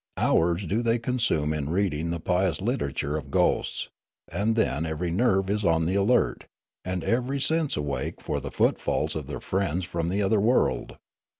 Hours do they consume in reading the pious literature of ghosts, and then every nerve is on the alert, and everj sense awake for the footfalls of their friends from the other world.